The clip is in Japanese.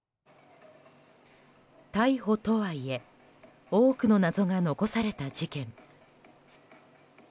逮捕とはいえ多くの謎が残された事件。